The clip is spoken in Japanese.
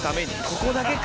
ここだけか！